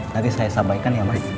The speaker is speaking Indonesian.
tadi saya sampaikan ya mas